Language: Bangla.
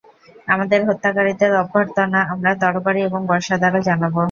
আমাদের হত্যাকারীদের অভ্যর্থনা আমরা তরবারি এবং বর্শা দ্বারা জানাব।